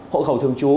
hội khẩu thường chú